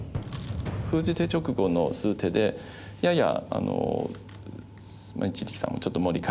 封じ手直後の数手でやや一力さんがちょっと盛り返して。